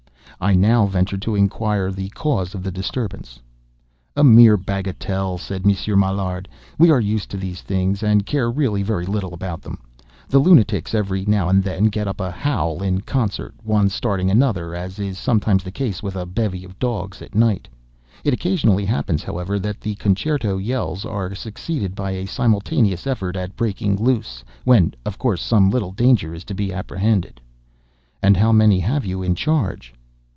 I now ventured to inquire the cause of the disturbance. "A mere bagatelle," said Monsieur Maillard. "We are used to these things, and care really very little about them. The lunatics, every now and then, get up a howl in concert; one starting another, as is sometimes the case with a bevy of dogs at night. It occasionally happens, however, that the concerto yells are succeeded by a simultaneous effort at breaking loose; when, of course, some little danger is to be apprehended." "And how many have you in charge?"